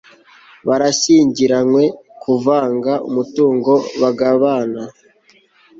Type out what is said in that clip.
barashyingiranywe kuvanga umutungo bagabana